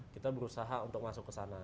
kita berusaha untuk masuk ke sana